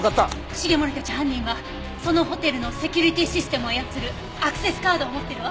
繁森たち犯人はそのホテルのセキュリティーシステムを操るアクセスカードを持ってるわ。